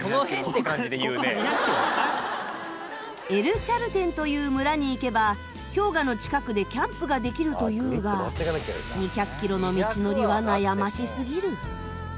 エル・チャルテンという村に行けば氷河の近くでキャンプができるというが２００キロの道のりは悩ましすぎる。